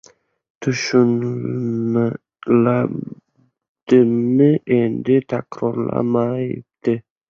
Hayriyatki, buning asl mazmuniga tushunilibdimi, endi takrorlanmayapti.